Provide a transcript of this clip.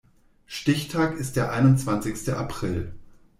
Stichtag ist der einundzwanzigste April.